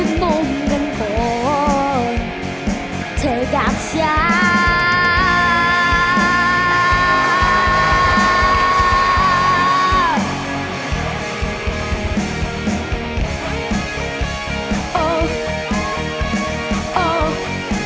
จริงจริงจริง